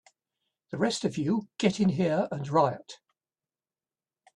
The rest of you get in here and riot!